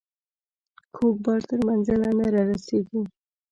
کوږ بار تر منزله نه رارسيږي.